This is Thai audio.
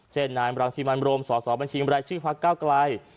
เช่นนายมรังซีมันบรมสบชิงบรัยชื่อภาคเก้ากลาย